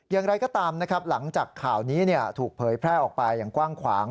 อย่างไรก็ตามนะครับหลังจากข่าวนี้ถูกเผยแพร่ออกไปอย่างกว้างขวาง